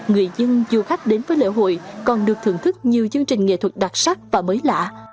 người dân du khách đến với lễ hội còn được thưởng thức nhiều chương trình nghệ thuật đặc sắc và mới lạ